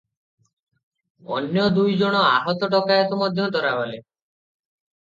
ଅନ୍ୟ ଦୁଇ ଜଣ ଆହତ ଡକାଏତ ମଧ୍ୟ ଧରାଗଲେ ।